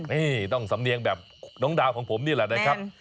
นี่ต้องสำเนียงแบบน้องดาวของผมนี่แหละนะครับ